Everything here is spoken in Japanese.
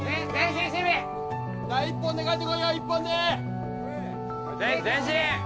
・１本でかえってこいよ１本で前進！